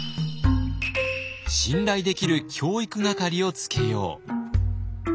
信頼できる教育係をつけよう。